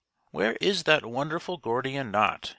" Where is that wonderful Gordian knot